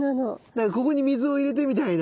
だからここに水を入れてみたいな。